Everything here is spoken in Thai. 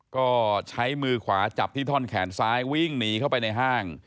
ก็ใช้มือขวาจับที่ท่อนแขนซ้ายวิ่งหนีเข้าไปในห้าง